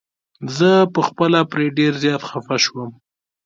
زه په خپله پرې ډير زيات خفه شوم.